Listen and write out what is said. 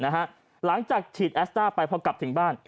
หลังจากฉีดแอสต้าไปพอกลับถึงบ้าน